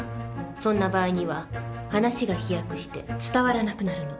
そんな場合には話が飛躍して伝わらなくなるの。